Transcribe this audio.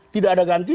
tidak ada ganti